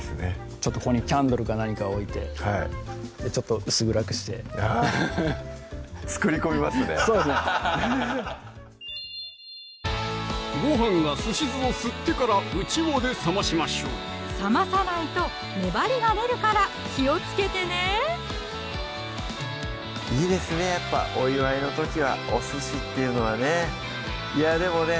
ちょっとここにキャンドルか何かを置いてちょっと薄暗くしてあっ作り込みますねそうですねご飯がすし酢を吸ってからうちわで冷ましましょう冷まさないと粘りが出るから気をつけてねいいですねやっぱお祝いの時はおすしっていうのはねいやでもね